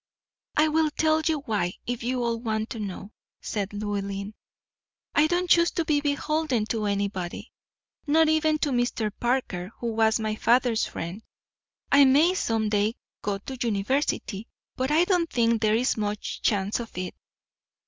"I will tell you why, if you all want to know," said Llewellyn. "I don't choose to be beholden to anybody, not even to Mr. Parker, who was my father's friend. I may some day go to the university; but I don't think there is much chance of it.